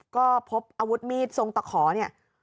ก็พบอาวุธมีดทรงตะขอเนี่ย